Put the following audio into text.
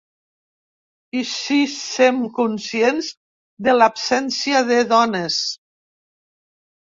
I sí, sem conscients de l'absència de dones.